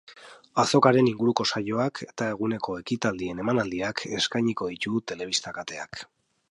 Azokaren inguruko saioak eta eguneko ekitaldien emanaldiak eskainiko ditu telebista kateak.